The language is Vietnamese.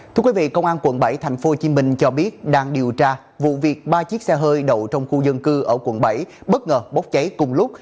thưa quý vị công an quận bảy tp hcm cho biết đang điều tra vụ việc ba chiếc xe hơi đậu trong khu dân cư ở quận bảy bất ngờ bốc cháy cùng lúc